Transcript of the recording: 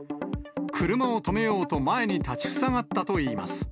車を止めようと、前に立ちふさがったといいます。